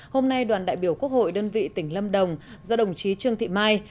hôm nay đoàn đại biểu quốc hội đơn vị tỉnh lâm đồng do đồng chí trương thị mai